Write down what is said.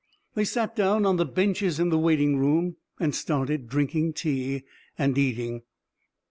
They sat down on the benches in the waiting room, and started drinking tea, and eating.